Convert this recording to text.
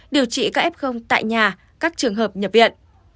điều trị các f tại nhà các trường hợp nhập viện